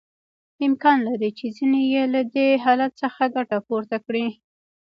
امکان لري چې ځینې یې له دې حالت څخه ګټه پورته کړي